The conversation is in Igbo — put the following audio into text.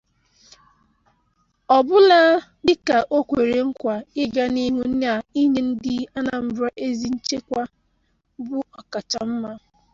ọbụla dịka o kwere nkwà ịga n'ihu n'inye ndị Anambra ezi nchekwa bụ ọkachamma.